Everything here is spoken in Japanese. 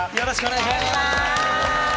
よろしくお願いします！